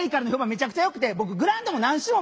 めちゃくちゃよくて僕「グランド」も何周も。